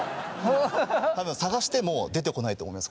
多分探しても出てこないと思います